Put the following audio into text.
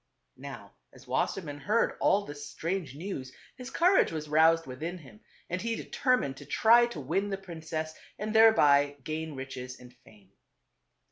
Now as Wassermann heard all this strange news his courage was roused within him and he determined to try to win the princess and thereby gain riches and fame.